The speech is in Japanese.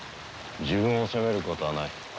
自分を責めることはない。